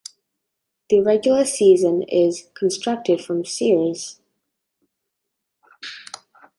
The regular season is constructed from series.